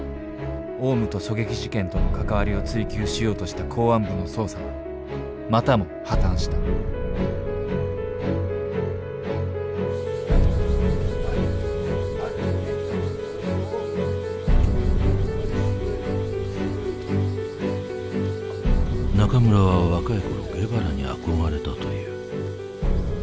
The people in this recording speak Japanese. オウムと狙撃事件との関わりを追求しようとした公安部の捜査はまたも破綻した中村は若い頃ゲバラに憧れたという。